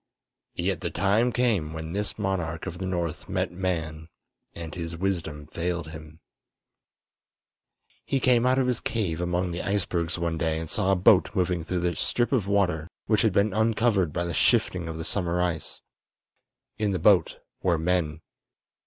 Yet the time came when this monarch of the north met man, and his wisdom failed him. He came out of his cave among the icebergs one day and saw a boat moving through the strip of water which had been uncovered by the shifting of the summer ice. In the boat were men.